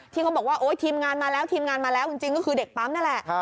เขาบอกว่าโอ๊ยทีมงานมาแล้วทีมงานมาแล้วจริงก็คือเด็กปั๊มนั่นแหละ